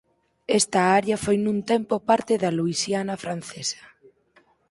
Esta área foi nun tempo parte da Luisiana Francesa.